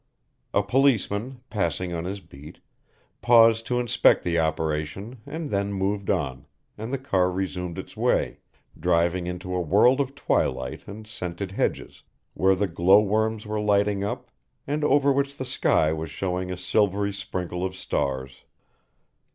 A policeman, passing on his beat, paused to inspect the operation and then moved on, and the car resumed its way, driving into a world of twilight and scented hedges, where the glowworms were lighting up, and over which the sky was showing a silvery sprinkle of stars.